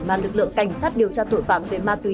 mà lực lượng cảnh sát điều tra tội phạm về ma túy